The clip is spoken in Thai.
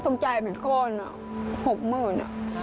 สงใจแบบจะก้อนหกหมื่น